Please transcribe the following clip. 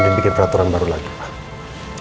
ini bikin peraturan baru lagi pak